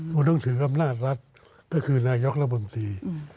ต้องถึงอำนาจรัฐก็คือนายกระบบมตรี